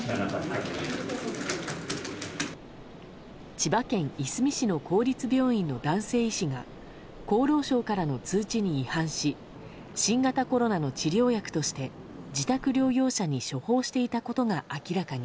千葉県いすみ市の公立病院の男性医師が厚労省からの通知に違反し新型コロナの治療薬として自宅療養者に処方していたことが明らかに。